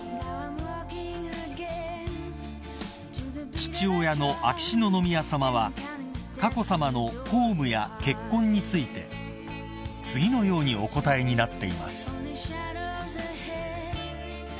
［父親の秋篠宮さまは佳子さまの公務や結婚について次のようにお答えになっています］